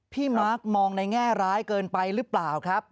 มาร์คมองในแง่ร้ายเกินไปหรือเปล่าครับ